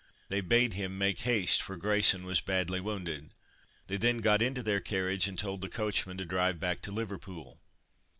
They bade him "make haste, for Grayson was badly wounded." They then got into their carriage and told the coachman to drive back to Liverpool.